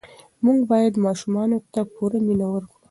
موږ باید ماشومانو ته پوره مینه ورکړو.